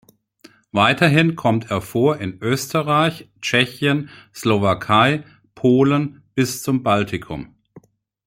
Weiterhin kommt er vor in Österreich, Tschechien, Slowakei, Polen bis zum Baltikum.